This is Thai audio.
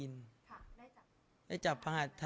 สงฆาตเจริญสงฆาตเจริญ